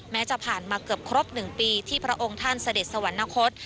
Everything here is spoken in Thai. จะผ่านมาเกือบครบ๑ปีที่พระองค์ท่านเสด็จสวรรคต